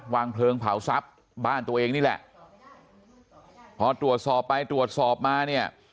วางเพลิงเผาทรัพย์บ้านตัวเองนี่แหละพอตรวจสอบไปตรวจสอบมาเนี่ย